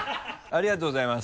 ありがとうございます。